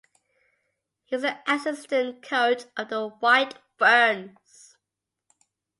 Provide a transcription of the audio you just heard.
He is the assistant coach of the White Ferns.